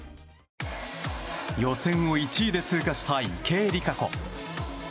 予選を１位で通過した池江璃花子。